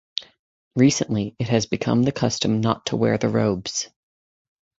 Recently, it has become the custom not to wear the robes.